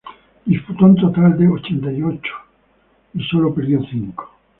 Disputó un total de ochenta y ocho y sólo perdió cinco.